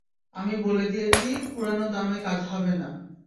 আমি বলে দিয়েছি পুরানো দামে কাজ হবে না।